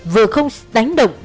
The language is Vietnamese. vừa không đánh động